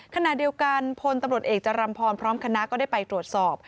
ขณะเดียวกันพลตำรวจเอกจรัมพรพร้อมคณะก็ได้ไปตรวจสอบ